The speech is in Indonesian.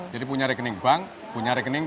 jadi punya rekening bank punya rekening